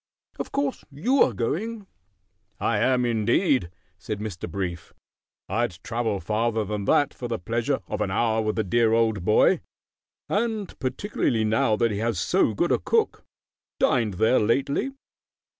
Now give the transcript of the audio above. Of course you are going?" "I am, indeed," said Mr. Brief. "I'd travel farther than that for the pleasure of an hour with the dear old boy, and particularly now that he has so good a cook. Dined there lately?"